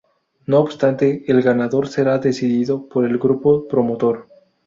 No obstante, el ganador será decidido por el Grupo Promotor.